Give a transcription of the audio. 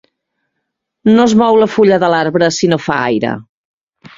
No es mou la fulla de l'arbre si no fa aire.